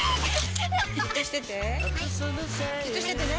じっとしててはいじっとしててね！